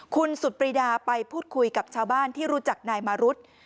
คุณสุดปรีดาไปพูดคุยกับชาวบ้านที่รู้จักนายมารุธ